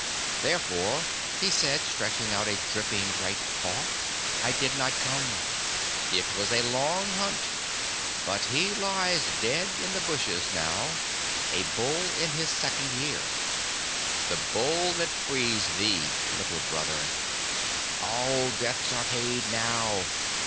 "Therefore," he said, stretching out a dripping right paw, "I did not come. It was a long hunt, but he lies dead in the bushes now a bull in his second year the Bull that frees thee, Little Brother. All debts are paid now.